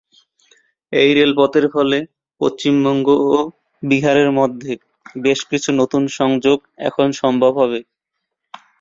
এই রেলপথের ফলে পশ্চিমবঙ্গ ও বিহারের মধ্যে বেশ কিছু নতুন সংযোগ এখন সম্ভব হবে।